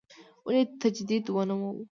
ولې تجدید ونوموو.